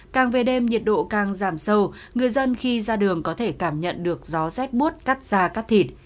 càng về đêm nhiệt độ càng giảm sâu người dân khi ra đường có thể cảm nhận được gió rét bút cắt ra cắt thịt